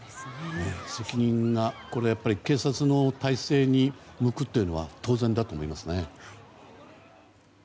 責任が警察の態勢に向くというのは当然だと思いますね。